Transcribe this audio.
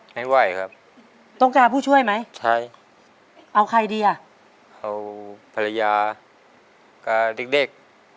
ไม่ไหวครับต้องการผู้ช่วยไหมใช้เอาใครดีอ่ะเอาภรรยากับเด็กเด็ก